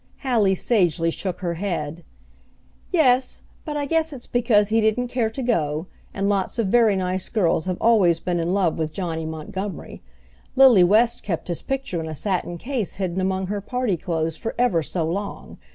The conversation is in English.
Hallie sagely shook her head. "Yes, but I guess it's because he didn't care to go, and lots of very nice girls have always been in love with Johnny Montgomery. Lily West kept his picture in a satin case hidden among her party clothes for ever so long.